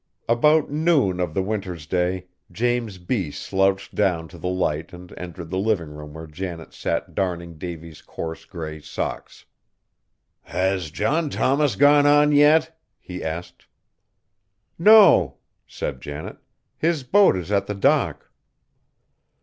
About noon of the winter's day, James B. slouched down to the Light and entered the living room where Janet sat darning Davy's coarse gray socks. "Has John Thomas gone on yet?" he asked. "No," said Janet, "his boat is at the dock."